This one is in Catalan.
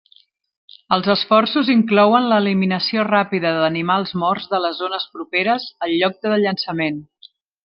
Els esforços inclouen l'eliminació ràpida d'animals morts de les zones properes al lloc de llançament.